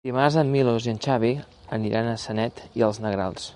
Dimarts en Milos i en Xavi aniran a Sanet i els Negrals.